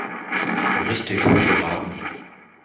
Richtig geraten!